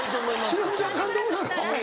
忍ちゃん監督なの？